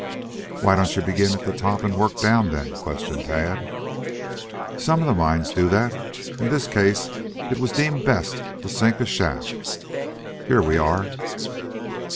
"Why don't you begin at the top and work down then?" questioned Tad. "Some of the mines do that. In this case it was deemed best to sink a shaft. Here we are."